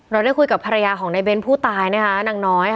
เราได้คุยกับภรรยาของนายเบ้นผู้ตายหนักน้อย